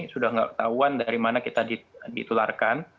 sudah tidak ketahuan dari mana kita ditularkan